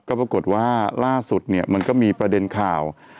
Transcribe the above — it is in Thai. ก็ปรากฏว่าล่าสุดเนี่ยมันก็มีประเด็นข่าว